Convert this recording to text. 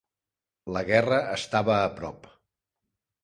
La guerra estava a prop.